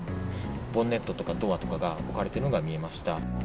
ボンネットとか、ドアとかが置かれているのが見えました。